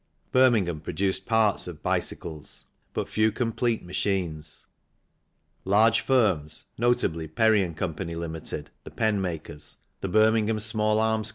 Birmingham produced parts of bicycles but few complete machines. Large firms, notably Perry & Co., Ltd., the pen makers, the Birmingham Small Arms Co.